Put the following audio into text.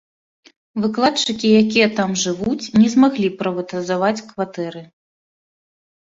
Выкладчыкі, якія там жывуць, не змаглі прыватызаваць кватэры.